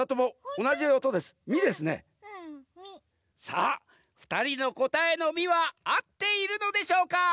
さあふたりのこたえのミはあっているのでしょうか？